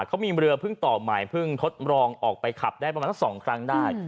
เขามีเรือเพิ่งต่อใหม่เพิ่งทดลองออกไปขับได้ประมาณสัก๒ครั้งได้